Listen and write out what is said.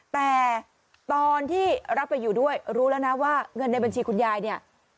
แต่ตอนที่รับไปอยู่ด้วยรู้แล้วนะว่าเงินในบัญชีคุณยายเนี่ย